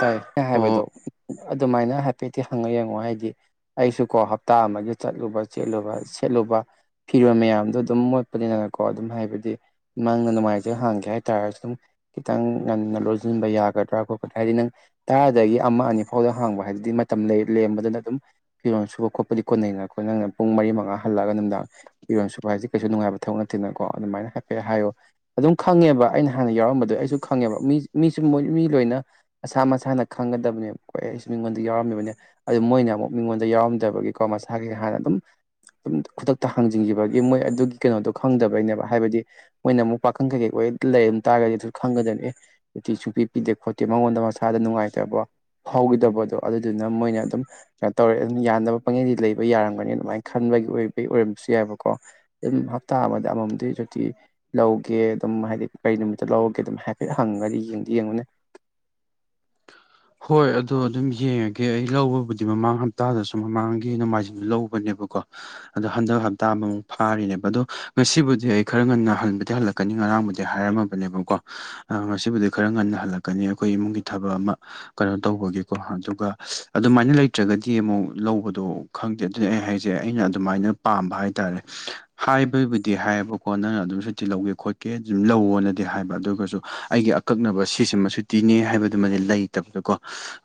ꯇꯥꯏ ꯍꯥꯏꯕꯗꯣ ꯑꯗꯨꯃꯥꯏꯅ ꯍꯥꯏꯐꯦꯠꯇꯤ ꯍꯪꯉ ꯌꯦꯡꯉꯣ ꯍꯥꯏꯗꯤ ꯑꯩꯁꯨ ꯀꯣ ꯍꯞꯇꯥ ꯑꯃꯒꯤ ꯆꯠꯂꯨꯕ ꯆꯦꯠꯂꯨꯕ ꯁꯦꯠꯂꯨꯕ ꯐꯤꯔꯣꯟ ꯃꯌꯥꯝꯗꯣ ꯑꯗꯨꯝ ꯃꯣꯠꯄꯅꯤꯅꯀꯣ ꯑꯗꯨꯝ ꯍꯥꯏꯕꯗꯤ ꯃꯪꯅ ꯅꯨꯡꯃꯥꯏꯖꯤꯡ ꯍꯥꯡꯒꯦ ꯍꯥꯏ ꯇꯥꯥꯔꯁꯨ ꯑꯗꯨꯝ ꯈꯤꯇꯪ ꯉꯟꯅ ꯂꯣꯟꯁꯤꯟꯕ ꯌꯥꯒꯗ꯭ꯔꯥ ꯈꯣꯠꯀꯗꯥ ꯍꯥꯏꯗꯤ ꯅꯪ ꯇꯔꯥꯗꯒꯤ ꯑꯃ ꯑꯅꯤ ꯐꯥꯎꯗ ꯍꯥꯡꯕ ꯍꯥꯏꯗꯨꯗꯤ ꯃꯇꯝ ꯂꯦꯝ ꯂꯩꯔꯝꯕꯗꯨꯅ ꯑꯗꯨꯝ ꯐꯤꯔꯣꯟ ꯁꯨꯕ ꯈꯣꯠꯄ ꯀꯣꯟꯅꯩꯅ ꯑꯩꯈꯣꯏ ꯅꯪꯅ ꯄꯨꯡ ꯃꯔꯤ ꯃꯉꯥ ꯍꯜꯂꯛꯑꯒ ꯅꯨꯃꯤꯗꯥꯡ ꯐꯤꯔꯣꯟ ꯁꯨꯕ ꯍꯥꯏꯁꯦ ꯀꯩꯁꯨ ꯅꯨꯡꯉꯥꯏꯕ ꯊꯕꯛ ꯅꯠꯇꯦꯅꯀꯣ ꯑꯗꯨꯃꯥꯏꯅ ꯍꯥꯏꯐꯦꯠ ꯍꯥꯏꯌꯣ ꯑꯗꯨꯝ ꯈꯪꯉꯦꯕ ꯑꯩꯅ ꯍꯥꯟꯅ ꯌꯥꯎꯔꯝꯕꯗꯣ ꯑꯩꯁꯨ ꯈꯪꯉꯦꯕ ꯃꯤ ꯃꯤꯁꯨ ꯃꯣꯏ ꯃꯤ ꯂꯣꯏꯅ ꯃꯁꯥ ꯃꯁꯥꯅ ꯈꯪꯒꯗꯕꯅꯦ ꯑꯩꯁ ꯑꯩꯁꯨ ꯃꯤꯉꯣꯟꯗ ꯌꯥꯎꯔꯝꯃꯤꯕꯅꯦ ꯑ ꯃꯣꯏꯅ ꯑꯃꯨꯛ ꯃꯤꯉꯣꯟꯗ ꯌꯥꯎꯔꯝꯗꯕꯒꯤꯀꯣ ꯃꯁꯥꯒꯤ ꯍꯥꯟꯅ ꯑꯗꯨꯝ ꯑꯗꯨꯝ ꯈꯨꯗꯛꯇ ꯍꯥꯡꯖꯤꯟꯈꯤꯕꯒꯤ ꯃꯣꯏ ꯑꯗꯨꯒꯤ ꯀꯩꯅꯣꯗꯣ ꯈꯪꯗꯕꯩꯅꯦꯕ ꯍꯥꯏꯕꯗꯤ ꯃꯣꯏꯅ ꯑꯃꯨꯛ ꯄꯥꯈꯪ ꯀꯩꯀꯩ ꯑꯣꯠꯇ ꯂꯩꯔꯝ ꯇꯥꯔꯒꯗꯤ ꯑꯗꯨ ꯈꯪꯒꯗꯃꯦ ꯑꯦ [unintelligible] ꯁꯨꯡꯄꯤ ꯄꯤꯗꯦ ꯈꯣꯠꯇꯦ ꯃꯉꯣꯟꯗ ꯃꯆꯥ ꯏꯁꯥꯗ ꯅꯨꯡꯉꯥꯏꯇꯕ ꯐꯥꯎꯒꯤꯗꯕꯗꯣ ꯑꯗꯨꯗꯨꯅ ꯃꯣꯏꯅ ꯑꯗꯨꯝ ꯀꯩꯅꯣ ꯇꯧꯔꯦ ꯑꯗꯨꯅ ꯌꯥꯅꯕ ꯄꯥꯡꯉꯩꯗꯤ ꯂꯩꯕ ꯌꯥꯔꯝꯒꯅꯤ ꯑꯗꯨꯃꯥꯏꯅ ꯈꯟꯕꯒꯤ ꯑꯣꯏꯕ ꯑꯣꯏꯔꯝꯕꯁꯨ ꯌꯥꯏꯑꯕꯀꯣ ꯑꯗꯨꯝ ꯍꯞꯇꯥ ꯑꯃ ꯑꯃꯃꯝꯗꯤ ꯍꯧꯨꯛꯇꯤ ꯂꯧꯒꯦ ꯑꯗꯨꯝ ꯍꯥꯏꯗꯤ ꯀꯔꯤ ꯅꯨꯃꯤꯠꯇ ꯂꯧꯔꯒꯦ ꯑꯗꯨꯝ ꯍꯥꯏꯐꯦꯠ ꯍꯪꯉꯗꯤ ꯌꯦꯡꯗꯤ ꯌꯦꯡꯉꯨꯅꯦ [unintelligible] ꯍꯣꯏ ꯑꯗꯣ ꯑꯗꯨꯝ ꯌꯦꯡꯉꯒꯦ ꯑꯩ ꯂꯧꯕꯕꯨꯗꯤ ꯃꯃꯥꯡ ꯍꯞꯇꯥꯗꯁꯨ ꯃꯃꯥꯡꯒꯤ ꯅꯣꯡꯃꯥꯏꯖꯤꯡꯁꯨ ꯂꯧꯕꯅꯦꯕꯀꯣ ꯑꯗꯣ ꯍꯟꯗꯛ ꯍꯞꯇꯥ ꯑꯃꯃꯨꯛ ꯐꯥꯔꯤꯅꯦꯕ ꯑꯗꯣ ꯉꯁꯤꯕꯨꯗꯤ ꯑꯩ ꯈꯔ ꯉꯟꯅ ꯍꯟꯕꯨꯗꯤ ꯍꯜꯂꯛꯀꯦ ꯀꯅꯤ ꯉꯔꯥꯡꯕꯨꯗꯤ ꯍꯥꯏꯔꯝꯃꯕꯅꯦꯕꯀꯣ ꯉꯥꯁꯤꯕꯨꯗꯤ ꯈꯔ ꯉꯟꯅ ꯍꯜꯂꯛꯀꯅꯤ ꯑꯩꯈꯣꯏ ꯏꯃꯨꯡꯒꯤ ꯊꯕꯛ ꯑꯃ ꯀꯩꯅꯣ ꯇꯧꯕꯒꯤꯀꯣ ꯑꯗꯨꯒ ꯑꯗꯨꯃꯥꯏꯅ ꯂꯩꯇ꯭ꯔꯒꯗꯤ ꯑꯃꯨꯛ ꯂꯧꯕꯗꯣ ꯈꯪꯗꯦ ꯑꯗꯨꯅꯦ ꯑꯩꯅ ꯍꯥꯏꯖꯦ ꯑꯩꯅ ꯑꯗꯨꯃꯥꯏꯅ ꯄꯥꯝꯕ ꯍꯥꯏꯇꯥꯔꯦ ꯍꯥꯏꯕꯕꯨꯗꯤ ꯍꯥꯏꯌꯦꯕꯀꯣ ꯅꯪꯅ ꯑꯗꯨꯝ ꯁꯨꯇꯤ ꯂꯧꯒꯦ ꯈꯣꯠꯀꯦ ꯑꯗꯨꯝ ꯂꯧꯋꯣꯅꯗꯤ ꯍꯥꯏꯕ ꯑꯗꯨꯒꯁꯨ ꯑꯩꯒꯤ ꯀꯛꯅꯕ ꯁꯤꯁꯦ ꯃꯁꯨꯨꯇꯤꯅꯦ ꯍꯥꯏꯕꯗꯨꯃꯗꯤ ꯂꯩꯇꯕꯗꯀꯣ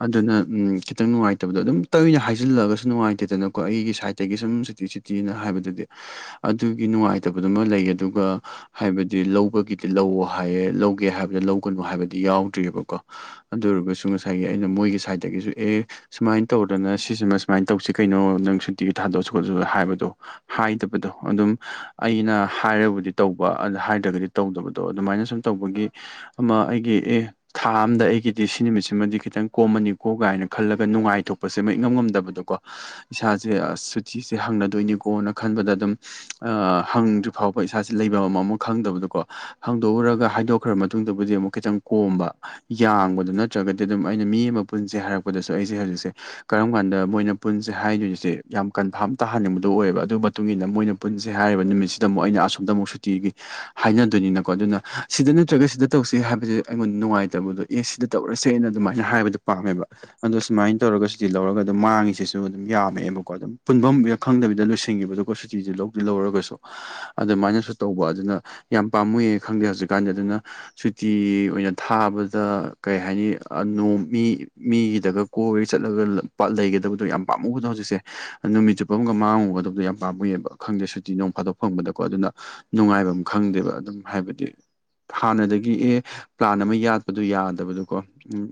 ꯑꯗꯨꯅ ꯎ ꯈꯤꯇꯪ ꯅꯨꯡꯉꯥꯏꯇꯕꯗꯣ ꯑꯗꯨꯝ ꯇꯣꯏꯅ ꯍꯥꯏꯖꯤꯜꯂꯛꯑꯒꯁꯨ ꯅꯨꯡꯉꯥꯏꯇꯦꯗꯅꯀꯣ ꯑꯩꯒꯤ ꯁꯥꯏꯠꯇꯒꯤ ꯁꯨꯝ ꯁꯤꯤ ꯇꯤꯅ ꯍꯥꯏꯕꯗꯨꯗꯤ ꯑꯗꯨꯒꯤ ꯅꯨꯡꯉꯥꯏꯇꯕꯗꯨꯃ ꯂꯩ ꯑꯗꯨꯒ ꯍꯥꯏꯕꯗꯤ ꯂꯧꯕꯒꯤꯗꯤ ꯂꯧꯑꯣ ꯍꯥꯏꯌꯦ ꯂꯧꯒꯦ ꯍꯥꯏꯕꯗ ꯂꯧꯒꯅꯨ ꯍꯥꯏꯕꯗꯤ ꯌꯥꯎꯗ꯭ꯔꯤꯑꯕꯀꯣ ꯑꯗꯨ ꯑꯣꯏꯔꯒꯁꯨ ꯉꯁꯥꯏꯒꯤ ꯑꯩꯅ ꯃꯣꯏꯒꯤ ꯁꯥꯏꯗꯠꯇꯒꯤꯁꯨ ꯑꯦ ꯁꯨꯃꯥꯏꯅ ꯇꯧꯗꯅ ꯁꯤꯁꯤꯃ ꯁꯨꯃꯥꯏꯅ ꯇꯧꯁꯤ ꯀꯩꯅꯣ ꯅꯪ ꯁꯨꯇꯤꯒꯤ ꯊꯥꯗꯣꯛꯑꯁꯨ ꯈꯣꯠꯁꯨ ꯍꯥꯏꯕꯗꯣ ꯍꯥꯏꯗꯕꯗꯣ ꯑꯗꯨꯝ ꯑꯩꯅ ꯍꯥꯏꯔꯕꯨꯗꯤ ꯇꯧꯕ ꯑꯗꯨ ꯍꯥꯏꯗ꯭ꯔꯒꯗꯤ ꯇꯧꯗꯕꯗꯣ ꯑꯗꯨꯃꯥꯏꯅ ꯁꯨꯝ ꯇꯧꯕꯒꯤ ꯑꯃ ꯑꯩꯒꯤ ꯑꯦ ꯊꯥ ꯑꯝꯗ ꯑꯩꯒꯤꯗꯤ ꯁꯤ ꯅꯨꯃꯤꯠꯁꯤꯃꯗꯤ ꯈꯤꯇꯪ ꯀꯣꯝꯃꯅꯤꯀꯣ ꯀꯥꯏꯅ ꯈꯜꯂꯒ ꯅꯨꯡꯉꯥꯏꯊꯣꯛꯄꯁꯦ ꯃ ꯏꯪꯉꯝ ꯉꯝꯗꯕꯗꯣꯀꯣ ꯏꯁꯥꯁꯦ ꯁꯨꯇꯤꯁꯦ ꯍꯪꯅꯗꯣꯏꯅꯤꯀꯣꯅ ꯈꯟꯕꯗ ꯑꯗꯨꯝ ꯑ ꯍꯪꯗ꯭ꯔꯤ ꯐꯥꯎꯕ ꯏꯁꯥꯁꯦ ꯂꯩꯕ ꯑꯃꯃ ꯈꯪꯗꯕꯗꯣꯀꯣ ꯍꯥꯡꯗꯣꯛꯎꯔꯒ ꯍꯥꯏꯗꯣꯛꯈ꯭ꯔ ꯃꯇꯨꯡꯗꯕꯨꯗꯤ ꯑꯃꯨꯛ ꯈꯤꯇꯪ ꯀꯣꯝꯕ ꯌꯥꯡꯕꯗꯣ ꯅꯠꯇ꯭ꯔꯒꯗꯤ ꯑꯗꯨꯝ ꯑꯩꯅ ꯃꯤ ꯑꯃ ꯄꯨꯟꯁꯦ ꯍꯥꯏꯔꯛꯄꯗꯁꯨ ꯑꯩꯁꯦ ꯍꯧꯖꯤꯛꯁꯦ ꯀꯔꯝ ꯀꯥꯟꯗ ꯃꯣꯏꯅ ꯄꯨꯟꯁꯦ ꯍꯥꯏꯗꯣꯏꯁꯦ ꯌꯥꯝ ꯀꯟꯐꯥꯝ ꯇꯥꯍꯟꯅꯤꯡꯕꯗꯣ ꯑꯣꯏꯕ ꯑꯗꯨꯒꯤ ꯃꯇꯨꯡ ꯏꯟꯅ ꯃꯣꯏꯅ ꯄꯨꯟꯁꯦ ꯍꯥꯏꯔꯤꯕ ꯅꯨꯃꯤꯠꯁꯤ ꯑꯃꯨꯛ ꯑꯩꯅ ꯑꯁꯣꯝꯗ ꯑꯃꯨꯛ ꯁꯨꯇꯤꯒꯤ ꯍꯥꯏꯅꯗꯣꯏꯅꯤꯅꯀꯣ ꯑꯗꯨꯅ ꯁꯤꯗ ꯅꯠꯇ꯭ꯔꯒ ꯁꯤꯗ ꯇꯧꯁꯤ ꯍꯥꯏꯕꯁꯦ ꯑꯩꯉꯣꯟꯗ ꯅꯨꯡꯉꯥꯏꯇ ꯇꯕꯨꯗꯣ ꯑꯦ ꯁꯤꯗ ꯇꯧꯔꯁꯦꯅ ꯑꯗꯨꯃꯥꯏꯅ ꯍꯥꯏꯕꯗꯨꯣ ꯄꯥꯝꯃꯦꯕ ꯑꯗꯣ ꯁꯨꯃꯥꯏꯅ ꯇꯧꯔꯒ ꯁꯨꯇꯤ ꯂꯧꯔꯒ ꯑꯗꯨꯝ ꯃꯥꯡꯉꯤꯁꯤꯁꯨ ꯑꯗꯨꯝ ꯌꯥꯝꯃꯛꯦꯕꯀꯣ ꯑꯗꯨꯝ ꯄꯨꯟꯐꯝ ꯈꯪꯗꯕꯤꯗ ꯂꯣꯏꯁꯤꯟꯈꯤꯕꯗꯣꯀꯣ ꯁꯨꯇꯤꯗꯨ ꯂꯧ ꯑꯗꯨ ꯂꯧꯔꯒꯁꯨ ꯑꯗꯨꯃꯥꯏꯅꯁꯨ ꯇꯧꯕ ꯑꯗꯨꯅ ꯌꯥꯝ ꯄꯥꯝꯃꯨꯌꯦ ꯈꯪꯗꯦ ꯍꯧꯖꯤꯛꯀꯥꯟꯗꯤ ꯑꯗꯨꯅ ꯁꯨꯇꯤ ꯑꯣꯏꯅ ꯊꯥꯕ ꯑꯗ ꯀꯩ ꯍꯥꯏꯅꯤ ꯅꯣꯡ ꯃꯤ ꯃꯤꯒꯤꯗꯒ ꯀꯣꯏꯒ ꯆꯠꯂꯒ ꯂꯩꯒꯗꯕꯗꯣ ꯌꯥꯝ ꯄꯥꯝꯃꯨꯕꯗꯣ ꯍꯧꯖꯤꯛꯁꯦ ꯅꯨꯃꯤꯠ ꯆꯨꯞꯄ ꯑꯃꯒ ꯃꯥꯡꯉꯨꯒꯗꯕꯗꯣ ꯌꯥꯝ ꯄꯥꯝꯃꯨꯑꯕ ꯈꯪꯗꯦ ꯁꯨꯇꯤ ꯅꯨꯡ ꯐꯥꯗꯣꯛ ꯐꯪꯕꯗꯀꯣ ꯑꯗꯨꯅ ꯅꯨꯡꯉꯥꯏꯕ ꯑꯃ ꯈꯪꯗꯦꯕ ꯑꯗꯨꯝ ꯍꯥꯏꯕꯗꯤ ꯍꯥꯟꯅꯗꯒꯤ ꯑꯦ ꯄ꯭ꯂꯥꯟ ꯑꯃ ꯌꯥꯠꯄꯗꯨꯣ ꯌꯥꯗꯕꯗꯨꯣꯀꯣ ꯎꯝ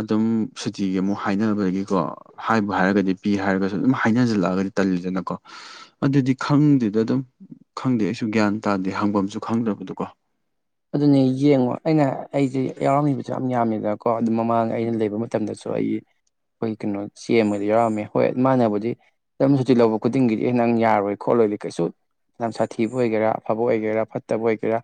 ꯑꯗꯨꯝ ꯁꯨꯇꯤꯒꯤ ꯑꯃꯨꯛ ꯍꯥꯏꯅꯕꯗꯒꯤꯀꯣ ꯍꯥꯏꯕ ꯍꯥꯏꯔꯒꯗꯤ ꯄꯤ ꯍꯥꯏꯔꯒꯁꯨ ꯑꯗꯨꯝ ꯍꯥꯏꯅꯁꯤꯜꯂꯛꯑꯒꯗꯤ ꯇꯜꯂꯤꯗꯅꯀꯣ ꯑꯗꯨꯗꯤ ꯈꯪꯗꯦꯗ ꯑꯗꯨꯝ ꯈꯪꯗꯦ ꯑꯩꯁꯨ ꯒ꯭ꯌꯥꯟ ꯇꯥꯗꯦ ꯍꯥꯡꯐꯝꯝꯁꯨ ꯈꯪꯗꯕꯗꯀꯣ ꯑꯗꯨꯅꯦ ꯌꯦꯡꯉꯣ ꯑꯩꯅ ꯑꯩꯁꯦ ꯌꯥꯎꯔꯝꯃꯤꯕꯗ ꯁ ꯌꯥꯝ ꯌꯥꯝꯃꯤꯗꯅ ꯀꯣ ꯑꯗꯨ ꯃꯃꯥꯡ ꯑꯩꯅ ꯂꯩꯕ ꯃꯇꯝꯗꯁꯨ ꯑꯩꯒꯤ ꯑꯩꯈꯣꯏ ꯀꯩꯅꯣ ꯆꯦꯟꯕꯗ ꯌꯥꯎꯔꯝꯃꯦ ꯍꯣꯏ ꯏ ꯃꯥꯟꯅꯕꯗꯤ ꯗꯔꯝ ꯁꯨꯇꯤ ꯂꯧꯕ ꯈꯨꯗꯤꯡꯒꯤꯗꯤ ꯑꯩ ꯅꯪ ꯌꯥꯔꯣꯏ ꯈꯣꯠꯂꯣꯏ ꯀꯩꯁꯨ ꯂꯝ ꯁꯥꯊꯤꯕ ꯑꯣꯏꯒꯦꯔꯥ ꯑꯐꯕ ꯑꯣꯏꯒꯦꯔꯥ ꯐꯠꯇꯕ ꯑꯣꯏꯒꯦꯔꯥ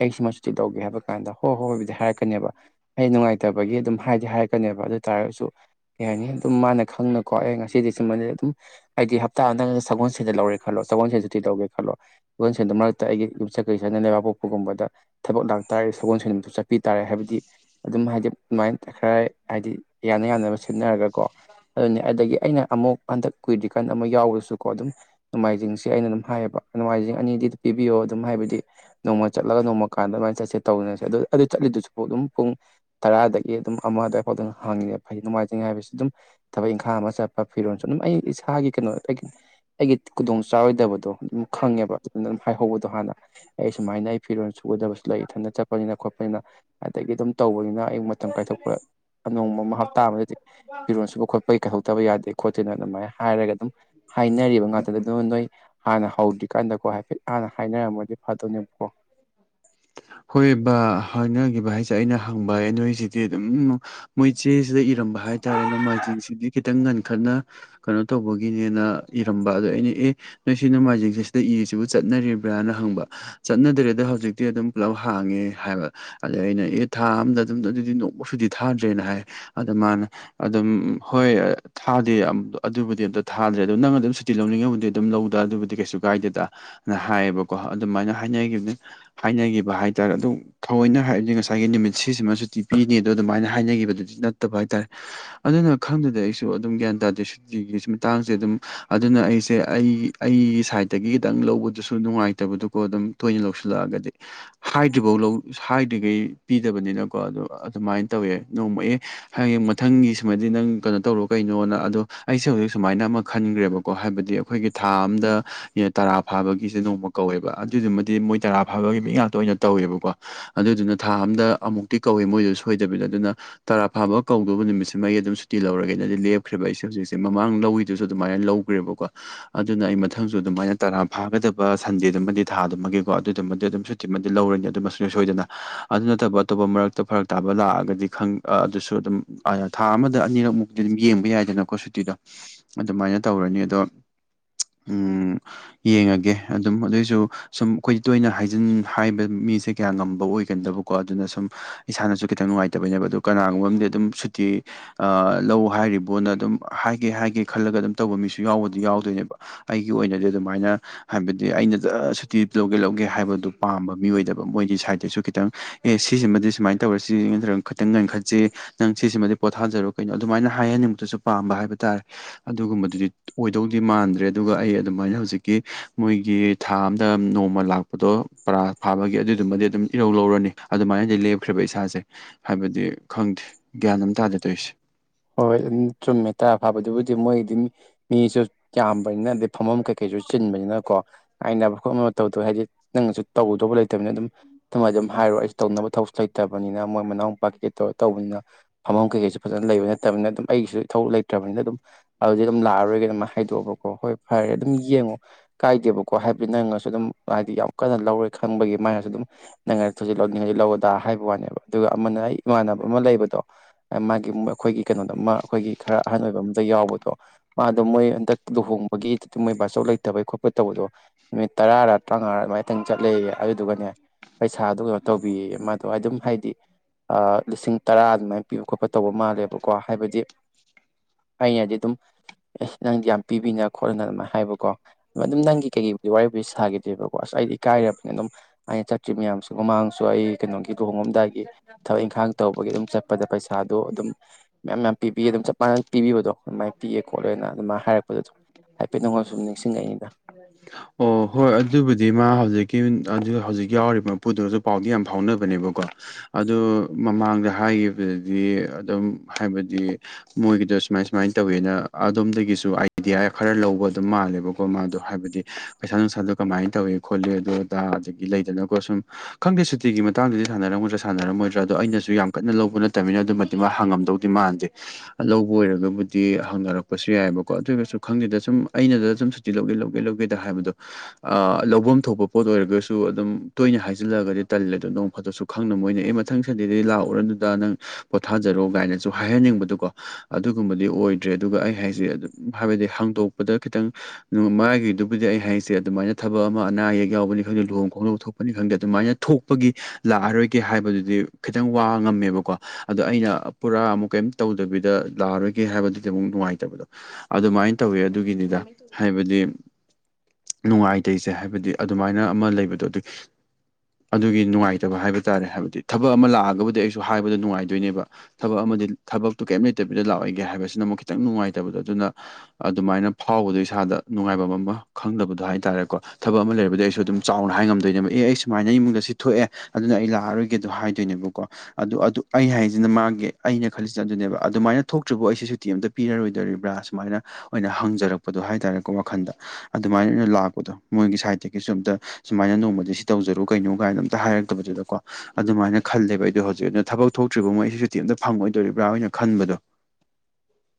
ꯑꯩ ꯁꯤ ꯃꯆꯨꯇꯤ ꯇꯧꯒꯦ ꯍꯥꯏꯕ ꯀꯥꯟꯗ ꯍꯣꯏ ꯍꯣꯏ ꯍꯣꯏꯕꯨꯗꯤ ꯍꯥꯏꯔꯛꯀꯅꯦꯕ ꯍꯩ ꯅꯨꯡꯉꯥꯏꯇꯕꯒꯤ ꯑꯗꯨꯝ ꯍꯥꯏꯗꯤ ꯍꯥꯏꯔꯛꯀꯅꯦꯕ ꯑꯗꯨ ꯇꯥꯔꯒꯁꯨ ꯌꯥꯅꯤ ꯑꯗꯨꯝ ꯃꯥꯅ ꯈꯪꯅꯀꯣ ꯑꯩ ꯉꯁꯤꯗꯤ ꯆꯨꯝꯕꯗꯤ ꯑꯗꯨꯝ ꯍꯥꯏꯗꯤ ꯍꯞꯇꯥ ꯑꯃꯗꯪ ꯁꯒꯣꯜꯁꯤꯗ ꯂꯧꯔꯦ ꯈꯜꯣꯒꯣꯜꯗ ꯑꯗꯨꯗꯤ ꯂꯧꯒꯦ ꯈꯜꯂꯣ ꯁꯒꯣꯟꯁꯦꯟꯗꯨ ꯃꯔꯛꯇ ꯑꯩꯒꯤ ꯌꯨꯝꯁ ꯀꯩꯁꯅ ꯂꯩꯕꯥꯛꯄꯣꯛꯄꯒꯨꯝꯕ ꯗ ꯊꯕꯛ ꯂꯥꯛꯇꯥꯔꯦ ꯁꯒꯣꯜꯁꯤꯡꯗꯨ ꯆꯠꯄꯤ ꯇꯥꯔꯦ ꯍꯥꯏꯕꯗꯤ ꯑꯗꯨꯝ ꯍꯥꯏꯗꯤ ꯑꯗꯨꯃꯥꯏ ꯈꯔ ꯍꯥꯏꯗꯤ ꯌꯥꯅ ꯌꯥꯅꯕ ꯁꯤꯟꯅꯔꯒꯀꯣ ꯑꯗꯨꯅꯦ ꯑꯗꯒꯤ ꯑꯩꯅ ꯑꯃꯨꯛ ꯍꯟꯗꯛ ꯀꯨꯏꯗ꯭ꯔꯤꯀꯥꯟꯗ ꯑꯃ ꯌꯥꯎꯕꯗꯨꯁꯨꯀꯣ ꯑꯗꯨꯝ ꯅꯣꯡꯃꯥꯏꯖꯤꯡꯁꯤ ꯑꯩꯅ ꯑꯗꯨꯝ ꯍꯥꯏꯌꯦꯕ ꯅꯣꯡꯃꯥꯏꯖꯤꯡ ꯑꯅꯤꯗꯤ ꯑꯗꯨ ꯄꯤꯕꯤꯌꯣ ꯑꯗꯨꯝ ꯍꯥꯏꯕꯗꯤ ꯅꯣꯡꯃ ꯆꯠꯂꯒ ꯅꯣꯡꯃ ꯀꯥꯟꯗ ꯑꯗꯨꯃꯥꯏ ꯆꯠꯁꯦ ꯇꯧꯕꯅꯦ ꯑꯗ ꯑꯗꯨ ꯆꯠꯂꯤꯗꯨꯁꯨ ꯐꯥꯎ ꯑꯗꯨꯝ ꯄꯨꯡ ꯇꯔꯥꯗꯒꯤ ꯑꯗꯨꯝ ꯑꯃ ꯑꯗꯨꯋꯥꯏꯐꯥꯎꯗ ꯍꯥꯡꯉꯦ ꯐꯩ ꯅꯣꯡꯃꯥꯏꯖꯤꯡ ꯍꯥꯏꯕꯁꯤꯗꯤ ꯑꯗꯨꯝ ꯊꯕꯛ ꯏꯪꯈꯥꯡ ꯑꯃ ꯆꯠꯄ ꯐꯤꯔꯣꯟꯁꯨ ꯑꯗꯨꯝ ꯑꯩ ꯏꯁꯥꯒꯤ ꯀꯩꯅꯣ ꯑꯩꯒꯤ ꯈꯨꯗꯣꯡ ꯆꯥꯔꯣꯏꯗꯕꯗꯣ ꯑꯗꯨꯝ ꯈꯪꯉꯦꯕ ꯑꯗꯨꯅ ꯑꯗꯨꯝ ꯍꯥꯏꯍꯧꯕꯗꯣ ꯍꯥꯟꯅ ꯑꯩ ꯁꯨꯃꯥꯏꯅ ꯑꯩ ꯐꯤꯔꯣꯜ ꯁꯨꯒꯗꯕꯁꯨ ꯂꯩ ꯏꯟꯅ ꯆꯠꯄꯅꯤꯅ ꯈꯣꯠꯄꯅꯤꯅ ꯑꯗꯒꯤ ꯑꯗꯨꯝ ꯇꯧꯕꯅꯤꯅ ꯑꯌꯨꯛ ꯃꯇꯝ ꯀꯥꯏꯊꯣꯛꯄ ꯑ ꯅꯣꯡꯃ ꯑꯃ ꯍꯞꯇꯥ ꯑꯃꯗꯗꯤ ꯐꯤꯔꯣꯟ ꯁꯕ ꯈꯣꯠꯄꯩ ꯀꯩꯍꯧꯗꯕ ꯌꯥꯗꯦ ꯈꯣꯠꯇꯦꯅ ꯑꯗꯨꯃꯥꯏꯅ ꯍꯥꯏꯔꯒ ꯑꯗꯨꯝ ꯍꯥꯏꯅꯔꯤꯕ ꯉꯥꯛꯇꯗ ꯑꯗꯨ ꯅꯣꯏ ꯍꯥꯟꯅ ꯍꯧꯗ꯭ꯔꯤꯀꯥꯟꯗꯀꯣ ꯍꯥꯏꯐꯦꯠ ꯍꯥꯟꯅ ꯍꯥꯏꯅꯔꯝꯃꯗꯤ ꯐꯗꯣꯏꯅꯦꯕꯀꯣ ꯍꯣꯏ ꯕꯥ ꯍꯥꯏꯅꯈꯤꯕ ꯍꯥꯏꯁꯦ ꯑꯩꯅ ꯍꯪꯕ ꯅꯣꯏꯁꯤꯗꯤ ꯑꯗꯨꯝ ꯃꯣꯏꯆꯦꯁꯤꯗ ꯂꯩꯔꯝꯕ ꯍꯥꯏꯇꯥꯔꯦ ꯅꯣꯡꯃꯥꯏꯖꯤꯡꯁꯤꯗꯤ ꯈꯤꯇꯪ ꯉꯟꯈꯠꯅ ꯀꯩꯅꯣ ꯇꯧꯕꯒꯤꯅꯦꯅ ꯏꯔꯝꯕ ꯑꯗ ꯑꯩꯅ ꯑꯦ ꯅꯣꯏ ꯁꯤ ꯅ ꯃꯥꯏꯖꯤꯡꯁꯤ ꯁꯤꯗ ꯏꯁꯤꯕꯨ ꯆꯠꯅꯔꯤꯕ꯭ꯔꯥꯅ ꯍꯪꯕ ꯆꯠꯅꯗ꯭ꯔꯦꯗ ꯍꯧꯖꯤꯛꯇꯤ ꯑꯗꯨꯝ ꯄꯨꯂꯞ ꯍꯥꯡꯉꯦ ꯍꯥꯏꯕ ꯑꯗ ꯑꯩꯅ ꯑꯦ ꯊꯥ ꯑꯝꯗ ꯑꯗꯨꯝ ꯑꯗꯨꯗꯤ ꯅꯣꯛꯄꯧ ꯁꯨꯇꯤ ꯊꯥꯗ꯭ꯔꯦꯅ ꯍꯥꯏ ꯑꯗ ꯃꯥꯅ ꯑꯗꯨꯝ ꯍꯣꯏ ꯊꯥꯗꯦ ꯑꯗꯨꯕꯨꯗꯤ ꯑꯝꯇ ꯊꯥꯗ꯭ꯔꯦ ꯑꯗꯣ ꯅꯪ ꯑꯗꯨꯝ ꯁꯨꯇꯤ ꯂꯧꯅꯤꯡꯉꯕꯨꯗꯤ ꯑꯗꯨꯝ ꯂꯧꯗ ꯑꯗꯨꯕꯨꯗꯤ ꯀꯩꯁꯨ ꯀꯥꯏꯗꯦꯗꯥ‌ ꯑꯅ ꯍꯥꯏꯌꯦꯕꯀꯣ ꯑꯗꯨꯃꯥꯏꯅ ꯍꯥꯏꯅꯒꯤꯕꯅꯤ ꯍꯥꯏꯅꯒꯤꯕ ꯍꯥꯏꯇꯥꯔꯦ ꯑꯗꯨ ꯊꯑꯣꯏꯅ ꯍꯥꯏꯕꯗꯤ ꯉꯁꯥꯏꯒꯤ ꯅꯨꯃꯤꯠ ꯁꯤꯁꯤꯃ ꯁꯨꯇꯤ ꯄꯤꯅꯤ ꯑꯗꯨꯗꯣ ꯑꯗꯨꯃꯥꯏꯅ ꯍꯥꯏꯅꯒꯤꯕꯗꯨꯗꯤ ꯅꯠꯇꯕ ꯍꯥꯏꯇꯥꯔꯦ ꯑꯗꯨꯅ ꯈꯪꯗꯦꯗ ꯑꯩꯁꯨ ꯑꯗꯨꯝ ꯒ꯭ꯌꯥꯟ ꯇꯥꯗꯦ ꯁꯨꯇꯤꯒꯤ ꯁꯤ ꯃꯇꯥꯡꯁꯦ ꯑꯗꯨꯝ ꯑꯗꯨꯅ ꯑꯩꯁꯦ ꯑꯩ ꯑꯩꯒꯤ ꯁꯥꯏꯠꯇꯒꯤ ꯈꯤꯇꯪ ꯂꯧꯕꯗꯨꯁꯨ ꯅꯨꯡꯉꯥꯏꯇꯕꯗꯣꯀꯣ ꯑꯗꯨꯝ ꯇꯣꯏꯅ ꯂꯧꯁꯤꯜꯂꯛꯑꯒꯗꯤ ꯍꯥꯏꯗ꯭ꯔꯤꯕꯧ ꯂꯧ ꯍꯥꯏꯗ꯭ꯔꯤꯉꯩ ꯄꯤꯗꯕꯅꯤꯅꯀꯣ ꯑꯗꯣ ꯑꯗꯨꯃꯥꯏ ꯇꯧꯋꯦ ꯅꯣꯡꯃ ꯑꯦ ꯍꯥꯏꯒꯦ ꯃꯊꯪꯒꯤ ꯁꯤꯃꯗꯤ ꯅꯪ ꯀꯩꯅꯣ ꯇꯧꯔꯣ ꯀꯩꯅꯣꯅ ꯑꯗꯣ ꯑꯩꯁꯦ ꯍꯧꯖꯤꯛ ꯁꯨꯃꯥꯏꯅ ꯑꯃ ꯈꯟꯒ꯭ꯔꯦꯕ ꯀꯣ ꯍꯥꯏꯕꯗꯤ ꯑꯩꯈꯣꯏꯒꯤ ꯊꯥ ꯑꯝꯗ ꯅꯦ ꯇꯔꯥ ꯐꯥꯕꯒꯤꯁꯦ ꯅꯣꯡꯃ ꯀꯧꯋꯦꯕ ꯑꯗꯨꯗꯨꯃꯗꯤ ꯃꯣꯏ ꯇꯔꯥ ꯐꯥꯕꯒꯤ ꯃꯤ ꯉꯥꯛꯇ ꯑꯣꯏꯅ ꯇꯧꯋꯦꯕꯀꯣ ꯑꯗꯨꯗꯨꯅ ꯊꯥ ꯑꯝꯗ ꯑꯃꯨꯛꯇꯤ ꯀꯧꯋꯦ ꯃꯣꯏꯗꯣ ꯁꯣꯏꯗꯕꯤꯗ ꯑꯗꯨꯅ ꯇꯔꯥ ꯐꯥꯕ ꯀꯧꯗꯧꯕ ꯅꯨꯃꯤꯠꯁꯤꯃ ꯑꯩ ꯑꯗꯨꯝ ꯁꯨꯇꯤ ꯂꯧꯔꯒꯦꯅꯗꯤ ꯂꯦꯞꯈ꯭ꯔꯦꯕ ꯑꯩꯁꯦ ꯍꯧꯖꯤꯛꯁꯦ ꯃꯃꯥꯡ ꯂꯧꯏꯗꯨꯁꯨ ꯑꯗꯨꯃꯥꯏꯅ ꯂꯧ ꯀꯨꯏꯔꯦꯕꯀꯣ ꯑꯗꯨꯅ ꯑꯩ ꯃꯊꯪꯁꯨ ꯑꯗꯨꯃꯥꯏꯅ ꯇꯔꯥ ꯐꯥꯒꯗꯕ ꯁꯟꯗꯦꯗꯨꯃꯗꯤ ꯊꯥꯗꯨꯃꯒꯤꯀꯣ ꯑꯗꯨꯗꯨꯃꯗꯤ ꯑꯗꯨꯝ ꯇꯤ ꯑꯃꯗꯤ ꯂꯧꯔꯅꯤ ꯑꯗꯨꯃ ꯁꯨꯡꯁꯣꯏ ꯁꯣꯏꯗꯅ ꯑꯗꯨ ꯅꯠꯇꯕ ꯑꯇꯣꯞꯄ ꯃꯔꯛꯇ ꯐꯔꯛ ꯇꯥꯕ ꯂꯥꯛꯑꯒꯗꯤ ꯈꯪ ꯑꯗꯨꯁꯨ ꯑꯗꯨꯝ ꯊꯥ ꯑꯃꯗ ꯑꯅꯤꯔꯛ ꯃꯨꯛꯇꯤ ꯑꯗꯨꯝ ꯌꯦꯡꯕ ꯌꯥꯏꯗꯅꯀꯣ ꯁꯨꯇꯤꯗꯣ ꯑꯗꯨꯃꯥꯏꯅ ꯇꯧꯔꯅꯤ ꯑꯗꯣ ꯎꯝ ꯌꯦꯡꯉꯒꯦ ꯑꯗꯨꯝ ꯑꯗꯨꯏꯁꯨ ꯁꯨꯝ ꯑꯩꯈꯣꯏꯗꯤ ꯇꯣꯏꯅ ꯍꯥꯏꯖꯤꯟ ꯍꯥꯏꯕ ꯃꯤꯁꯦ ꯀꯌꯥ ꯉꯝꯕ ꯑꯣꯏꯒꯟꯗꯕꯀꯣ ꯑꯗꯨꯅ ꯁꯨꯝ ꯏꯁꯥꯅꯁꯨ ꯈꯤꯇꯪ ꯅꯨꯡꯉꯥꯏꯇꯕꯩꯅꯦꯕ ꯑꯗꯨ ꯀꯅꯥꯒꯨꯝꯕꯝꯗꯤ ꯑꯗꯨꯝ ꯁꯨꯇꯤ ꯑ ꯂꯧ ꯍꯥꯏꯔꯤꯕꯣꯅ ꯑꯗꯨꯝ ꯍꯥꯏꯒꯦ ꯍꯥꯏꯒꯦ ꯈꯜꯂꯒ ꯑꯗꯨꯝ ꯇꯧꯕ ꯃꯤꯁꯨ ꯌꯥꯎꯕꯗꯤ ꯌꯥꯎꯗꯣꯏꯅꯦꯕ ꯑꯩꯒꯤ ꯑꯣꯏꯅꯗꯤ ꯑꯗꯨꯃꯥꯏꯅ ꯍꯥꯏꯕꯗꯤ ꯑꯩꯅꯗ ꯁꯨꯇꯤ ꯂꯧꯒꯦ ꯂꯧꯒꯦ ꯍꯥꯏꯕꯗꯨ ꯄꯥꯝꯕ ꯃꯤ ꯑꯣꯏꯗꯕ ꯃꯣꯏꯒꯤ ꯁꯥꯏꯠꯇꯁꯨ ꯈꯤꯇꯪ ꯑꯦ ꯁꯤꯖꯤꯃꯗꯤ ꯁꯨꯃꯥꯏ ꯇꯧꯔ ꯁꯤ ꯅꯠꯇ꯭ꯔꯒ ꯈꯤꯇꯪ ꯉꯟꯈꯠꯁꯤ ꯅꯪ ꯁꯤꯁꯤꯃꯗꯤ ꯄꯣꯊꯥꯖꯔꯣ ꯀꯩꯅꯣ ꯑꯗꯨꯃꯥꯏꯅ ꯍꯥꯏꯍꯟꯅꯤꯡꯃꯛꯇꯁꯨ ꯄꯥꯝꯕ ꯍꯥꯏꯕ ꯇꯥꯔꯦ ꯑꯗꯨꯒꯨꯝꯕꯗꯨꯗꯤ ꯑꯣꯏꯗꯧꯗꯤ ꯃꯥꯟꯗ꯭ꯔꯦ ꯑꯗꯨꯒ ꯑꯩ ꯑꯗꯨꯃꯥꯏꯅ ꯍꯧꯖꯤꯛꯀꯤ ꯃꯣꯏꯒꯤ ꯊꯥ ꯑꯝꯗ ꯅꯣꯡꯃ ꯂꯥꯛꯄꯗꯣ ꯄꯔꯥ ꯐꯥꯕꯒꯤ ꯑꯗꯨꯗꯨꯃꯗꯤ ꯑꯗꯨꯝ ꯏꯔꯧ ꯂꯧꯔꯅꯤ ꯑꯗꯨꯃꯥꯏꯅꯗꯤ ꯂꯦꯞꯈ꯭ꯔꯦꯕ ꯏꯁꯥꯁꯦ ꯍꯥꯏꯕꯗꯤ ꯈꯪꯗꯦ ꯒ꯭ꯌꯥꯟ ꯑꯃ ꯇꯥꯗ ꯇꯧꯏꯁꯦ ꯍꯣꯏ ꯍꯣꯏ ꯑꯗꯨꯝ ꯆꯨꯝꯃꯦ ꯇꯔꯥ ꯐꯥꯕꯗꯨꯕꯨꯗꯤ ꯃꯣꯏꯗꯤ ꯃꯤ ꯃꯤꯁꯨ ꯌꯥꯝꯕꯅꯤꯅ ꯑꯗꯩ ꯐꯝꯐꯝ ꯀꯩꯀꯩꯁꯨ ꯆꯤꯟꯕꯅꯤꯅꯀꯣ ꯀꯥꯏꯅꯕ ꯈꯣꯠꯅꯕ ꯇꯧꯗꯕ ꯍꯥꯏꯗꯤ ꯅꯪꯅꯁꯨ ꯇꯧꯒꯗꯧꯕ ꯂꯩꯇꯕꯅꯤꯅ ꯑꯗꯨꯝ ꯑꯗꯨꯃꯥꯏꯅ ꯑꯗꯨꯝ ꯍꯥꯏꯔꯣ ꯑꯩꯁ ꯇꯧꯅꯕ ꯊꯕꯛ ꯂꯩꯇꯕꯅꯤꯅ ꯃꯣꯏ ꯃꯅꯥꯎ ꯃꯨꯄꯥ ꯀꯩꯀꯩ ꯇꯧꯔ ꯇꯧꯕꯅꯤꯅ ꯐꯃꯐꯝ ꯀꯩꯀꯩꯁꯨ ꯐꯖꯅ ꯂꯩꯕ ꯅꯠꯇꯕꯅꯤꯅ ꯑꯗꯨꯝ ꯑꯩꯒꯤꯁꯨ ꯏꯊꯧ ꯂꯩꯇ꯭ꯔꯕꯅꯤꯅ ꯑꯗꯨꯝ ꯑꯗꯨꯗꯤ ꯑꯗꯨꯝ ꯂꯥꯛꯑꯔꯣꯏꯒꯗꯤ ꯑꯗꯨꯝ ꯍꯥꯏꯗꯣꯛꯑꯕꯀꯣ ꯍꯣꯏ ꯐꯔꯦ ꯑꯗꯨꯝ ꯌꯦꯡꯉꯣ ꯀꯥꯏꯗꯦꯕꯀꯣ ꯍꯥꯏꯕꯗꯤ ꯅꯪꯅꯁꯨ ꯑꯗꯨꯝ ꯍꯥꯏꯗꯤ ꯌꯥꯝ ꯀꯟꯅ ꯂꯧꯔꯦ ꯈꯪꯕꯒꯤ ꯃꯥꯏꯅꯁꯨ ꯑꯗꯨꯝ ꯅꯪ ꯉ ꯊꯖꯤꯛ ꯂꯧꯅꯤꯡ ꯍꯧꯖꯤꯛ ꯂꯧꯑꯣꯗꯥ ꯍꯥꯏꯕ ꯋꯥꯅꯦꯕ ꯑꯗꯨꯒ ꯑꯃꯅ ꯑꯩ ꯏꯃꯥꯟꯅꯕ ꯑꯃ ꯂꯩꯕꯗꯣ ꯃꯥꯒꯤ ꯑꯩꯈꯣꯏꯒꯤ ꯀꯩꯅꯣꯗꯃ ꯑꯩꯈꯣꯏꯒꯤ ꯈꯔ ꯑꯍꯟ ꯑꯣꯏꯕ ꯑꯝꯗ ꯌꯥꯎꯕꯗꯣ ꯃꯥꯗꯣ ꯃꯣꯏ ꯍꯟꯗꯛ ꯂꯨꯍꯣꯡꯕꯒꯤ ꯃꯣꯏ ꯕꯥꯆꯧ ꯂꯩꯇꯕꯩ ꯈꯣꯠꯄ ꯇꯧꯕꯗꯣ ꯅꯨꯃꯤꯠ ꯇꯔꯥꯔ ꯇꯔꯥꯃꯉꯥ ꯑꯗꯨꯃꯥꯏꯊꯪ ꯆꯠꯂꯒꯦ ꯑꯗꯨꯗꯨꯒꯅꯦ ꯄꯩꯁꯥꯗꯨ ꯀꯩꯅꯣ ꯇꯧꯕꯤꯌꯦꯌꯦ ꯃꯥꯗꯣ ꯑꯗꯨꯝ ꯍꯥꯏꯗꯤ ꯂꯤꯁꯤꯡ ꯇꯔꯥ ꯑꯗꯨꯃꯥꯏꯅ ꯄꯤꯕ ꯈꯣꯠꯄ ꯇꯧꯕ ꯃꯥꯜꯂꯦꯕꯀꯣ ꯍꯥꯏꯕꯗꯤ ꯑꯩꯅꯗꯤ ꯑꯗꯨꯝ ꯑꯦꯁ ꯅꯪꯖꯦ ꯌꯥꯝ ꯄꯤꯕꯤꯅ ꯈꯣꯠꯂꯦꯅ ꯑꯗꯨꯃꯥꯏꯅ ꯍꯥꯏꯕꯀꯣ ꯑꯗꯨꯝ ꯅꯪꯒꯤ ꯀꯩꯒꯤꯕꯨꯗꯤ ꯋꯥꯔꯤꯕꯨꯗꯤ ꯁꯥꯒꯤꯗ꯭ꯔꯤꯕꯀꯣ ꯑꯁ ꯑꯩꯗꯤ ꯏꯀꯥꯏꯔꯕꯅꯦ ꯑꯗꯨꯝ ꯑꯩꯅ ꯆꯠꯇ꯭ꯔꯤ ꯃꯌꯥꯝꯁꯦ ꯃꯃꯥꯡꯁꯨ ꯑꯩ ꯀꯩꯅꯣꯒꯤ ꯂꯨꯍꯣꯡꯉꯝꯗꯥꯏꯒꯤ ꯊꯕꯛ ꯏꯪꯈꯥꯡ ꯇꯧꯕꯒꯤ ꯑꯗꯨꯝ ꯆꯠꯄ ꯄꯗ ꯄꯩꯁꯥꯗꯣ ꯑꯗꯨꯝ ꯃꯌꯥꯝ ꯃꯌꯥꯝ ꯄꯤꯕꯤꯌꯦ ꯑꯗꯨꯝ ꯆꯞ ꯃꯥꯟꯅ ꯄꯤꯕꯤꯕꯗꯣ ꯑꯗꯨꯃꯥꯏ ꯄꯤꯌꯦ ꯈꯣꯠꯂꯦꯅ ꯑꯗꯨꯃꯥꯏ ꯍꯥꯏꯔꯛꯄꯗꯣ ꯍꯥꯏꯐꯦꯠ ꯅꯪꯉꯣꯟꯗ ꯁꯨꯝ ꯅꯤꯡꯁꯤꯡꯉꯛꯏꯅꯤꯗꯥ ꯍ ꯑꯣ ꯍꯣꯏ ꯑꯗꯨꯕꯨꯗꯤ ꯃꯥ ꯍꯧꯖꯤꯛꯀꯤꯟ ꯑꯗꯨ ꯍꯧꯖꯤꯛ ꯌꯥꯎꯔꯤꯕ ꯃꯄꯨꯗꯨꯗ ꯄꯥꯎꯗꯤ ꯌꯥꯝ ꯐꯥꯎꯅꯕꯅꯦꯕꯀꯣ ꯑꯗꯨ ꯃꯃꯥꯡꯗ ꯍꯥꯏꯈꯤꯕꯗꯗꯤ ꯑꯗꯨꯝ ꯍꯥꯏꯕꯗꯤ ꯃꯣꯏꯒꯤꯗꯣ ꯁꯨꯃꯥꯏ ꯁꯨꯃꯥꯏꯅ ꯇꯧꯋꯦꯅ ꯑꯗꯣꯝꯗꯒꯤꯁꯨ ꯑꯥꯏꯗꯤꯌꯥ ꯈꯔ ꯂꯧꯕ ꯑꯗꯨꯝ ꯃꯥꯜꯂꯦꯕꯀꯣ ꯃꯥꯗꯣ ꯍꯥꯏꯕꯗꯤ ꯄꯩꯁꯥ ꯅꯨꯡꯁꯥꯗꯣ ꯀꯃꯥꯏꯅ ꯇꯧꯏꯤ ꯈꯣꯠꯂꯦ ꯑꯗꯨ ꯑꯗꯥ ꯑꯗꯒꯤ ꯂꯩꯗꯅꯀꯣ ꯁꯨꯝ ꯈꯪꯗꯦ ꯁꯨꯇꯤꯒꯤ ꯃꯇꯥꯡꯗꯗꯤ ꯁꯥꯟꯅꯔꯝꯣꯏꯗ꯭ꯔ ꯁꯥꯟꯅꯔꯝꯣꯏꯗ꯭ꯔꯥꯗꯣ ꯑꯩꯅꯁꯨ ꯌꯥꯝ ꯀꯟꯅ ꯂꯧꯕ ꯅꯠꯇꯕꯅꯤꯅ ꯑꯗꯨꯃꯤ ꯃꯥ ꯍꯪꯉꯝꯗꯧꯗꯤ ꯃꯥꯟꯗꯦ ꯂꯧꯕ ꯑꯣꯏꯔꯒꯕꯨꯗꯤ ꯍꯪꯅꯔꯛꯄꯁꯨ ꯌꯥꯏꯑꯕꯀꯣ ꯑꯗꯨ ꯑꯣꯏꯔꯒꯁꯨ ꯈꯪꯗꯦꯗ ꯁꯨꯝ ꯑꯩꯅꯗ ꯁꯨꯝ ꯇꯤ ꯂꯧꯒꯦ ꯂꯧꯒꯦ ꯂꯧꯒꯦꯗ ꯍꯥꯏꯕꯗꯣ ꯂꯧꯐꯝ ꯊꯣꯛꯄ ꯄꯣꯠ ꯑꯣꯏꯔꯒꯁꯨ ꯑꯗꯨꯝ ꯇꯣꯏꯅ ꯍꯥꯏꯖꯤꯜꯂꯒꯗꯤ ꯇꯜꯂꯦ ꯑ ꯑꯗꯨꯣ ꯅꯣꯡꯃ ꯐꯠꯇꯁꯨ ꯈꯪꯅꯕ ꯃꯣꯏꯅ ꯑꯦ ꯃꯊꯪ ꯁꯟꯗꯦꯗꯗꯤ ꯂꯥꯛꯎꯔꯗꯨꯗ ꯅꯪ ꯄꯣꯊꯥꯖꯔꯣ ꯥꯏꯅꯁꯨ ꯍꯥꯏꯍꯟꯅꯤꯡꯕꯗꯨꯀꯣ ꯑꯗꯨꯒꯨꯝꯕꯗꯤ ꯑꯣꯏꯗ꯭ꯔꯦ ꯑꯗꯨꯒ ꯑꯩ ꯍꯥꯏꯁꯦ ꯑꯗꯨꯝ ꯍꯥꯏꯕꯗꯤ ꯍꯥꯡꯗꯣꯛꯄꯗ ꯈꯤꯇꯪ ꯃꯥꯒꯤꯗꯨꯕꯨꯗꯤ ꯑꯩ ꯍꯥꯏꯁꯦ ꯑꯗꯨꯃꯥꯏꯅ ꯊꯕꯛ ꯑꯃ ꯑꯅꯥ ꯑꯌꯦꯛ ꯌꯥꯎꯅꯤ ꯈꯪꯗꯦ ꯂꯨꯍꯣꯡ ꯈꯣꯡꯗꯣꯡ ꯊꯣꯛꯄꯅꯤ ꯈꯪꯗꯦ ꯑꯗꯨꯃꯥꯏꯅ ꯊꯣꯛꯄꯒꯤ ꯂꯥꯛꯑꯔꯣꯏꯒꯦ ꯍꯥꯏꯕꯗꯨꯗꯤ ꯈꯤꯇꯪ ꯋꯥꯕ ꯉꯝꯃꯦꯕꯀꯣ ꯑꯗꯣ ꯑꯩꯅ ꯄꯨꯔꯥ ꯑꯃꯨꯛ ꯀꯩꯝ ꯇꯧꯗꯕꯤꯗ ꯂꯥꯛꯑꯔꯣꯏꯒꯦ ꯍꯥꯏꯕꯗꯨꯗꯤ ꯑꯃꯨꯛ ꯅꯨꯡꯉꯥꯏꯇꯕꯗꯣ ꯑꯗꯨꯃꯥꯏꯅ ꯇꯧꯋꯤ ꯑꯗꯨꯒꯤꯅꯤꯗ ꯍꯥꯏꯕꯗꯤ ꯅꯨꯡꯉꯥꯏꯇꯁꯦ ꯍꯥꯏꯕꯗꯤ ꯑꯗꯨꯃꯥꯏꯅ ꯑꯃ ꯂꯩꯕꯗꯣ ꯑꯗꯨ ꯑꯗꯨꯒꯤ ꯅꯨꯡꯉꯥꯏꯇꯕ ꯍꯥꯏꯕ ꯇꯥꯔꯦ ꯍꯥꯏꯕꯗꯤ ꯊꯕꯛ ꯑꯃ ꯂꯥꯛꯑꯒꯕꯨꯗꯤ ꯑꯩꯁꯨ ꯍꯥꯏꯕꯗ ꯅꯨꯡꯉꯥꯏꯗꯣꯏꯅꯦꯕ ꯊꯕꯛ ꯑꯃꯗꯤ ꯊꯕꯛꯇꯨ ꯀꯔꯤꯝ ꯂꯩꯇꯕꯤꯗ ꯂꯥꯛꯑꯣꯏꯒꯦ ꯍꯥꯏꯕꯁꯤꯅ ꯑꯃꯨꯛ ꯈꯤꯇꯪ ꯅꯨꯡꯉꯥꯏꯇꯕꯗꯣ ꯑꯗꯨꯅ ꯑꯗꯨꯃꯥꯏꯅ ꯐꯥꯎꯕꯗꯣ ꯏꯁꯥꯗ ꯅꯨꯡꯉꯥꯏꯕ ꯑꯃ ꯈꯪꯗꯕꯗꯣ ꯍꯥꯏꯇꯥꯔꯦꯀꯣ ꯊꯕꯛ ꯑꯃ ꯂꯩꯔꯕꯗꯤ ꯑꯩꯁꯨ ꯑꯗꯨꯝ ꯆꯥꯎꯅ ꯍꯥꯏ ꯉꯝꯗꯣꯏꯅꯦꯕ ꯑꯦ ꯑꯩ ꯁꯨꯃꯥꯏꯅ ꯏꯃꯨꯡꯗ ꯁꯤ ꯊꯣꯛꯑꯦ ꯑꯗꯨꯅ ꯑꯩ ꯂꯥꯛꯑꯔꯣꯏꯒꯦꯗꯣ ꯍꯥꯏꯗꯣꯏꯅꯦꯕꯀꯣ ꯑꯗꯨ ꯑꯗꯨ ꯑꯩ ꯍꯥꯏꯁꯤꯅ ꯃꯥꯒꯤ ꯑꯩꯅ ꯈꯜꯂꯤꯁꯤꯅ ꯑꯗꯨꯅꯦꯕ ꯑꯗꯨꯃꯥꯏꯅ ꯊꯣꯛꯇ꯭ꯨꯕꯨ ꯑꯩꯁꯦ ꯁꯨꯇꯤ ꯑꯃꯇ ꯄꯤꯔꯔꯣꯏꯗꯣꯔꯤꯕ꯭ꯔꯥ ꯁꯨꯃꯥꯏꯅ ꯑꯣꯏꯅ ꯍꯪꯖꯔꯛꯄꯗꯣ ꯍꯥꯏꯇꯥꯔꯦꯀꯣ ꯋꯥꯈꯜꯗ ꯑꯗꯨꯃꯥꯏꯅ ꯑꯣꯏꯅ ꯂꯥꯛꯄꯗꯣ ꯃꯣꯏꯒꯤ ꯁꯥꯏꯠꯇꯒꯤꯁꯨ ꯑꯝꯗ ꯁꯨꯃꯥꯏꯅ ꯅꯣꯡꯃꯗꯤ ꯁꯤ ꯇꯧꯖꯔꯨ ꯀꯩꯅꯣ ꯀꯥꯏꯅ ꯑꯝꯇ ꯍꯥꯏꯔꯛꯇꯕꯗꯨꯗ ꯀꯣ ꯑꯗꯨꯃꯥꯏꯅ ꯈꯜꯂꯦꯕ ꯑꯩꯗꯣ ꯍꯧꯖꯤꯛ ꯑꯗꯨꯅ ꯊꯕꯛ ꯊꯣꯛꯇ꯭ꯔꯤꯕ ꯃꯣꯏꯁꯤꯁꯨꯨꯇꯤꯝꯇ ꯐꯪꯉꯣꯏꯗꯣꯔꯤꯕ꯭ꯔꯥ ꯍꯥꯏ ꯑꯣꯏꯅ ꯈꯟꯕꯗꯣ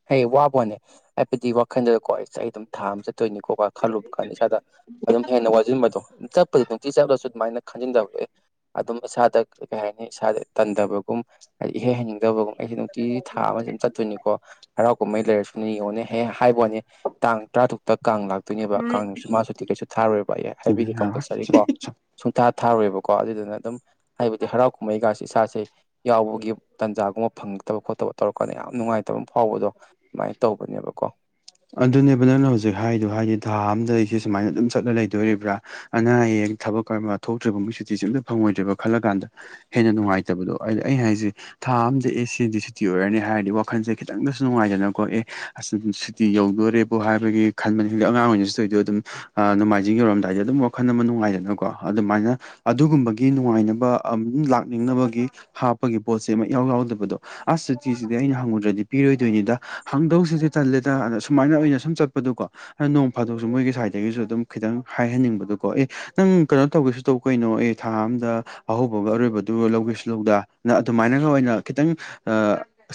ꯍꯌꯦ ꯋꯥꯕꯣꯅꯦ ꯍꯥꯏꯕꯗꯤ ꯋꯥꯈꯟꯗꯗꯀꯣ ꯑꯩꯁ ꯑꯩ ꯑꯗꯨꯝ ꯊꯥ ꯑꯃ ꯆꯠꯇꯣꯏꯅꯤꯀꯣ ꯈꯜꯂꯨꯕ ꯀꯥꯟꯗ ꯏꯁꯥꯗ ꯑꯗꯨꯝ ꯍꯦꯟꯅ ꯋꯥꯁꯤꯟꯕꯗꯣ ꯆꯠꯄꯗꯤ ꯅꯨꯡꯇꯤ ꯆꯠꯂꯁꯨ ꯑꯗꯨꯃꯥꯏꯅ ꯈꯟꯖꯤꯟꯗꯕꯗꯣ ꯑꯗꯨꯝ ꯏꯁꯥꯗ ꯀꯩ ꯍꯥꯏꯅꯤ ꯏꯁꯥꯗ ꯇꯟꯗꯕꯒꯨꯝ ꯍꯥꯏꯗꯤ ꯏꯍꯦꯛ ꯍꯩꯅꯤꯡꯗꯕꯒꯨꯝ ꯑꯩꯁꯦ ꯅꯨꯡꯇꯤ ꯊꯥ ꯑꯃ ꯑꯗꯨꯝ ꯆꯠꯇꯣꯏꯅꯤꯀꯣ ꯍꯔꯥꯎ ꯀꯨꯝꯍꯩ ꯂꯩꯔꯁꯨꯅꯦ ꯌꯦꯡꯉꯣꯅꯦ ꯍꯦ ꯍꯥꯏꯕ ꯋꯥꯅꯦ ꯇꯥꯡ ꯇꯔꯥ ꯇꯨꯛ ꯇ ꯀꯥꯡ ꯂꯥꯛꯇꯣꯏꯅꯦꯕ ꯀꯥꯡꯁꯨ ꯃꯥꯁꯨꯤ ꯀꯩꯁꯨ ꯊꯥꯔꯣꯏꯕ ꯑꯩ ꯁꯤꯅꯤ ꯍꯥꯏꯕꯤꯒꯦ ꯌꯥꯔꯣꯏ꯫ ꯀꯝꯄꯜꯁꯔꯤ ꯀꯣ ꯁꯨꯡꯊꯥ ꯊꯥꯔꯣꯏꯕꯀꯣ ꯑꯗꯨꯗꯨꯅ ꯑꯗꯨꯝ ꯍꯥꯏꯕꯗꯤ ꯍꯔꯥꯎ ꯀꯨꯝꯍꯩꯒꯁꯤꯦ ꯏꯁꯥꯁꯦ ꯌꯥꯎꯕꯒꯤ ꯇꯥꯟꯖꯥꯒꯨꯝꯕ ꯐꯪꯉꯛꯇꯕ ꯈꯣꯠꯇꯕ ꯇꯧꯔꯀꯥꯟꯗ ꯌꯥꯝ ꯅꯨꯡꯉꯥꯏꯇꯕ ꯑꯃ ꯐꯥꯎꯕꯗꯣ ꯑꯗꯨꯃꯥꯏꯅ ꯇꯧꯕꯅꯦꯕꯀꯣ ꯑꯗꯨꯅꯦꯕ ꯅꯪꯅ ꯍꯧꯖꯤꯛ ꯍꯥꯏꯗꯣ ꯍꯥꯏꯗꯤ ꯊꯥ ꯑꯝꯗ ꯑꯩꯁꯦ ꯁꯨꯃꯥꯏꯅ ꯑꯗꯨꯝ ꯆꯠꯂ ꯂꯩꯗꯣꯔꯤꯕ꯭ꯔꯥ ꯑꯅꯥ ꯑꯌꯦꯛ ꯊꯕꯛꯔ ꯑꯃ ꯊꯣꯛꯇ꯭ꯔꯤꯕ ꯃꯣꯏꯁꯤꯗꯤꯤꯤꯁꯝꯇ ꯐꯪꯉꯣꯏꯗ꯭ꯔꯦꯕ ꯈꯜꯂ ꯀꯥꯟꯗ ꯍꯦꯟꯅ ꯅꯨꯡꯉꯥꯏꯇꯕꯗꯣ ꯍꯥꯏꯗꯤ ꯑꯩꯅ ꯍꯥꯏꯁꯦ ꯊꯥ ꯑꯝꯗ ꯑꯦ ꯁꯤꯗꯤ ꯁꯨꯇꯤ ꯑꯣꯏꯔꯅꯤ ꯍꯥꯏꯔꯗꯤ ꯋꯥꯈꯜꯁꯦ ꯈꯤꯇꯪꯗꯁꯨ ꯅꯨꯡꯉꯥꯏꯗꯅꯀꯣ ꯑꯦꯁ ꯇꯤ ꯌꯧꯗꯣꯔꯦꯕꯣ ꯍꯥꯏꯕꯒꯤ ꯈꯟꯕꯅꯤ ꯈꯗꯦ ꯑꯉꯥꯡ ꯑꯣꯏꯔꯤꯩꯁꯨꯗ ꯑꯣꯏꯏꯗꯣ ꯑꯗꯨꯝ ꯅꯣꯡꯃꯥꯏꯖꯤꯡ ꯌꯧꯔꯝꯗꯥꯏꯗꯤ ꯑꯗꯨꯝ ꯋꯥꯈꯜ ꯑꯃ ꯅꯨꯡꯉꯥꯏꯗꯅꯀꯣ ꯑꯗꯨꯃꯥꯏꯅ ꯑꯗꯨꯒꯨꯝꯕꯒꯤ ꯅꯨꯡꯉꯥꯏꯅꯕ ꯑꯗꯨꯝ ꯂꯥꯛꯅꯤꯡꯅꯕꯒꯤ ꯍꯥꯞꯄꯒꯤ ꯄꯣꯠꯁꯦ ꯑꯃ ꯏꯌꯥꯎ ꯌꯥꯎꯗꯕꯗꯣ ꯑꯁꯇꯤꯁꯤꯗꯤ ꯑꯩꯅ ꯍꯪꯉꯨꯗ꯭ꯔꯗꯤ ꯄꯤꯔꯣꯏꯗꯣꯏꯅꯤꯗ ꯍꯪꯗꯧꯁꯤꯗꯤ ꯇꯟꯂꯦꯗ ꯇꯥꯛ ꯑꯒ ꯁꯨꯃꯥꯏꯅ ꯑꯣꯏꯅ ꯁꯨꯝ ꯆꯠꯄꯗꯨꯀꯣ ꯅꯣꯡ ꯐꯥꯗꯣꯛꯁꯨ ꯃꯣꯏꯒꯤ ꯁꯥꯏꯠꯇꯒꯤꯁꯨ ꯑꯗꯨꯝ ꯈꯤꯇꯪ ꯍꯥꯏꯍꯟꯅꯤꯡꯕꯗꯣꯀꯣ ꯑꯦ ꯅꯪ ꯀꯩꯅꯣ ꯇꯧꯒꯦꯁꯨ ꯇꯧ ꯀꯩꯅꯣ ꯑꯦ ꯊꯥ ꯑꯝꯗ ꯑꯍꯧꯕꯒ ꯑꯔꯣꯏꯕꯗꯨꯒ ꯂꯧꯒꯦꯁꯨ ꯂꯧꯗꯥ ꯅ ꯑꯗꯨꯃꯥꯏꯅꯒ ꯑꯣꯏꯅ ꯈꯤꯇꯪ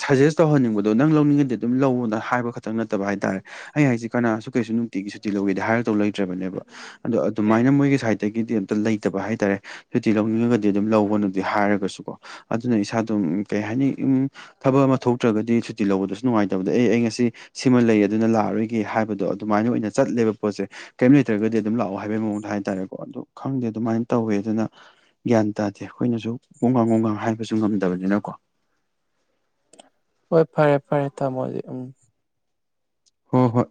ꯁꯖꯦꯁ ꯇꯧꯍꯟꯅꯤꯡꯕꯗꯣ ꯅꯪ ꯂꯧꯅꯤꯡꯉꯗꯤ ꯑꯗꯨꯝ ꯂꯧꯅ ꯍꯥꯏꯕ ꯈ ꯈꯤꯇꯪ ꯅꯠꯇꯕ ꯍꯥꯏꯇꯥꯔꯦ ꯑꯩ ꯍꯥꯏꯁꯦ ꯀꯅꯥꯁꯨ ꯀꯩꯁꯨ ꯅꯨꯡꯇꯤꯒꯤ ꯁꯨꯇꯤ ꯂꯧꯒꯦꯗꯤ ꯍꯥꯏꯔ ꯇꯧ ꯂꯩꯇ꯭ꯔꯕꯅꯦꯕ ꯑꯗꯣ ꯑꯗꯨꯃꯥꯏꯅ ꯃꯣꯏꯒꯤ ꯁꯥꯏꯠꯇꯒꯤꯗꯤ ꯑꯝꯇ ꯂꯩꯇꯕ ꯍꯥꯏꯇꯥꯔꯦ ꯁꯨꯇꯤ ꯂꯧꯅꯤꯡꯉꯒꯗꯤ ꯑꯗꯨꯝ ꯂꯧꯕꯅꯗꯤ ꯍꯥꯏꯔꯒꯁꯨꯀꯣ ꯑꯗꯨꯅ ꯏꯁꯥ ꯑꯗꯨꯝ ꯀꯩ ꯍꯥꯏꯅꯤ ꯎꯝ ꯊꯕꯛ ꯑꯃ ꯊꯣꯛꯇ꯭ꯔꯒꯗꯤ ꯁꯨꯇꯤ ꯂꯧꯕꯗꯁꯨ ꯅꯨꯡꯉꯥꯏꯇꯕꯗ ꯑꯦ ꯑꯩ ꯉꯁꯤ ꯁꯤꯃ ꯂꯩ ꯑꯗꯨꯅ ꯂꯥꯛꯑꯔꯣꯏꯒꯦ ꯍꯥꯏꯕꯗꯣ ꯑꯗꯨꯃꯥꯏꯅ ꯑꯣꯏꯅ ꯆꯠꯂꯦꯕ ꯄꯣꯠꯁꯦ ꯀꯔꯤꯝ ꯂꯩꯇ꯭ꯔꯒꯗꯤ ꯑꯗꯨꯝ ꯂꯥꯛꯑꯣ ꯍꯥꯏꯕꯩ ꯃꯑꯣꯡꯗ ꯍꯥꯏꯇꯥꯔꯦꯀꯣ ꯑꯗꯨ ꯈꯪꯗꯦ ꯑꯗꯨꯃꯥꯏꯅ ꯇꯧꯋꯦ ꯑꯗꯨꯅ ꯒ꯭ꯌꯥꯟ ꯇꯥꯗꯦ ꯑꯩꯈꯣꯏꯅꯁꯨ ꯍꯣꯡꯒꯥꯡ ꯋꯥꯣꯡꯒꯥꯡ ꯍꯥꯏꯕꯁꯨ ꯉꯝꯗꯕꯅꯤꯅꯀꯣ ꯍꯣꯏ ꯐꯔꯦ ꯐꯔꯦ ꯊꯝꯃꯣꯗꯤ ꯎꯝ ꯍꯣ ꯍꯣꯏ